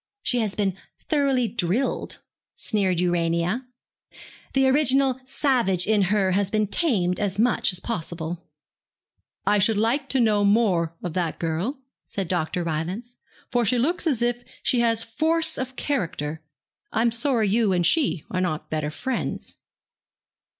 'She has been thoroughly drilled,' sneered Urania. 'The original savage in her has been tamed as much as possible.' 'I should like to know more of that girl,' said Dr. Rylance, 'for she looks as if she has force of character. I'm sorry you and she are not better friends.'